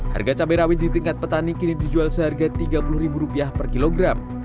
harga cabai rawit di tingkat petani kini dijual seharga rp tiga puluh per kilogram